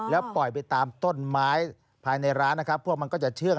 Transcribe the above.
แล้วปล่อยไปตามต้นไม้ภายในร้านนะครับพวกมันก็จะเชื่อง